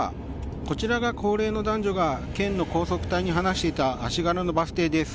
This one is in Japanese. こちらが高齢の男女が県の高速隊に話していた足柄のバス停です。